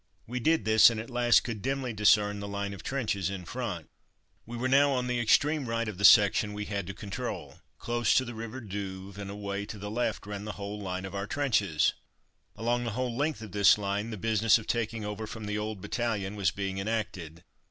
We did this, and at last could dimly discern the line of the trenches in front. We were now on the extreme right of the section we had to control, close to the River Douve, and away to the left ran the whole line of our trenches. Along the whole length of this line the business of taking over from the old battalion was being enacted.